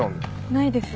ないです。